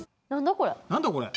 何だこれ？